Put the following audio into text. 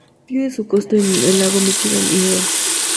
Tiene su costa en el lago Míchigan y Huron.